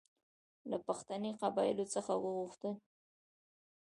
له پښتني قبایلو څخه وغوښتل.